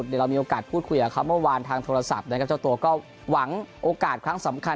เดี๋ยวเรามีโอกาสพูดคุยกับเขาเมื่อวานทางโทรศัพท์นะครับเจ้าตัวก็หวังโอกาสครั้งสำคัญ